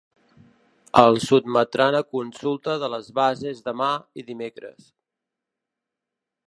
El sotmetran a consulta de les bases demà i dimecres.